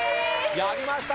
やりました！